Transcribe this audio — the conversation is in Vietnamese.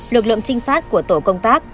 lực lượng trinh sát của tổ công tác